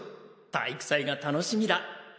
体育祭が楽しみだ。